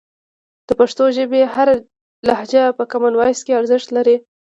د پښتو ژبې هره لهجه په کامن وایس کې ارزښت لري.